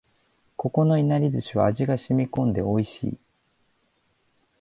ここのいなり寿司は味が染み込んで美味しい